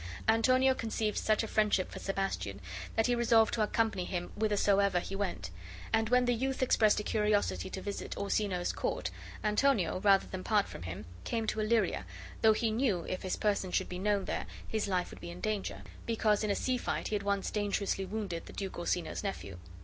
Antonio conceived such a friendship for Sebastian that he resolved to accompany him whithersoever he went; and when the youth expressed a curiosity to visit Orsino's court, Antonio, rather than part from him, came to Illyria, though he knew, if his person should be known there, his life would be in danger, because in a sea fight he had once dangerously wounded the Duke Orsino's nephew.